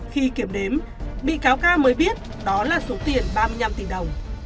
khi kiểm đếm bị cáo ca mới biết đó là số tiền ba mươi năm tỷ đồng